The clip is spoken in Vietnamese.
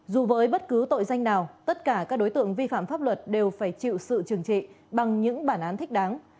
dù với bất cứ tội danh nào tất cả các đối tượng vi phạm pháp luật đều phải chịu sự trừng trị bằng những bản án thích đáng